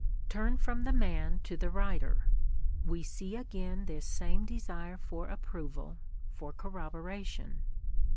Turn from the man to the writer; we see again this same desire for approval, for corroboration.